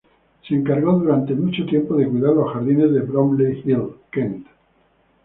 Se encargó durante mucho tiempo de cuidar los jardines de Bromley Hill, Kent.